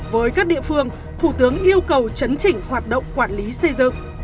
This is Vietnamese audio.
với các địa phương thủ tướng yêu cầu chấn chỉnh hoạt động quản lý xây dựng